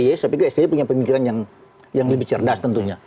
saya pikir sti punya pemikiran yang lebih cerdas tentunya